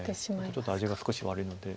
ちょっと味が少し悪いので。